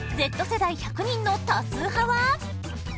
Ｚ世代１００人の多数派は？